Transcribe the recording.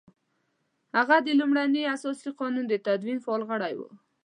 هغه د لومړني اساسي قانون د تدوین فعال غړی وو.